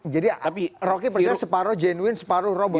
jadi rocky percaya separoh genuine separoh robot ya